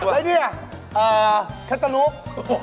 แล้วนี่คัตนุบ